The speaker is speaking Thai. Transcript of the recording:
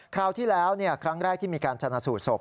คราวที่แล้วครั้งแรกที่มีการชนะสูตรศพ